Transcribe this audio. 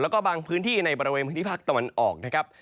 แล้วก็บางพื้นที่ในบริเวณพื้นที่ภาคตะวันออกนะครับ